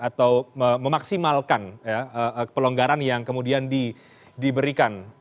atau memaksimalkan pelonggaran yang kemudian diberikan